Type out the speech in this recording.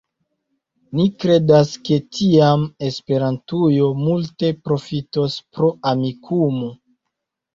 Ni kredas, ke tiam Esperantujo multe profitos pro Amikumu.